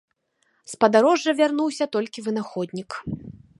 З падарожжа вярнуўся толькі вынаходнік.